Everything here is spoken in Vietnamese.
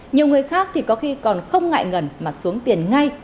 nhiều người khác thì có khi còn không ngại ngần mà xuống tiền ngay cho phương tiện